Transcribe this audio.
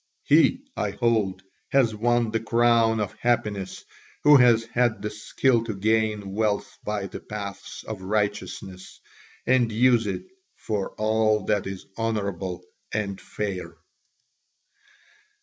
He, I hold, has won the crown of happiness who has had the skill to gain wealth by the paths of righteousness and use it for all that is honourable and fair."